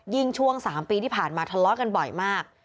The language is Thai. ช่วง๓ปีที่ผ่านมาทะเลาะกันบ่อยมาก